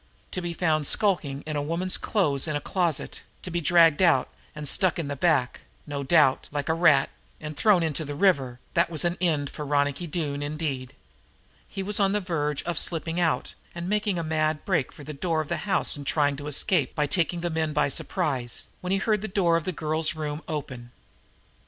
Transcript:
To be found skulking among woman's clothes in a closet to be dragged out and stuck in the back, no doubt, like a rat, and thrown into the river, that was an end for Ronicky Doone indeed! He was on the verge of slipping out and making a mad break for the door of the house and trying to escape by taking the men by surprise, when he heard the door of the girl's room open.